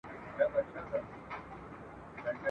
دغو ستورو هم ليدلو ..